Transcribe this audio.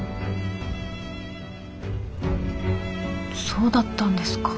そうだったんですか。